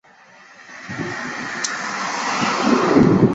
早期只有利用伺服端来改变游戏内容或环境的伺服端模组。